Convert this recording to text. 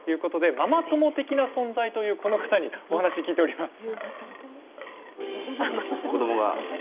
ママ友的な存在というこの方にお話を聞いています。